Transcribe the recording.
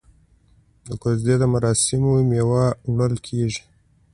د کوژدې په مراسمو کې میوه وړل کیږي.